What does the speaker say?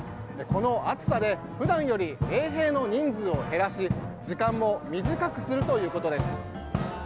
この暑さで普段より衛兵の人数を減らし時間も短くするということです。